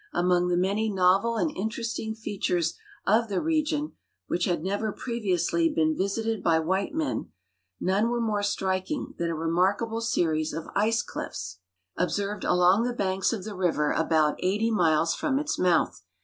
Among the many novel and interest ing features of the region, which had never previously been visited by white men, none Avere more striking than a remarkable series of ice clifts obseiwed along the banks of the river about 80 miles from its mouth.